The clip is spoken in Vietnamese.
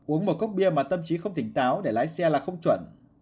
uống một cốc bia mà tâm trí không tỉnh táo để lái xe là không chuẩn